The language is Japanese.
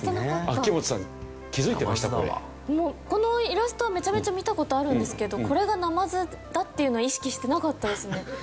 このイラストはめちゃめちゃ見た事あるんですけどこれがナマズだっていうのは意識してなかったですね。